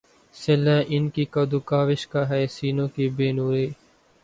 صلہ ان کی کد و کاوش کا ہے سینوں کی بے نوری